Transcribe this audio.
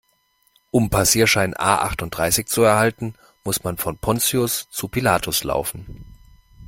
Um Passierschein A-achtunddreißig zu erhalten, muss man von Pontius zu Pilatus laufen.